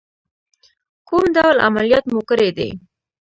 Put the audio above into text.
کوم ډول عملیات مو کړی دی؟